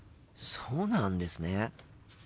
そうなんですね。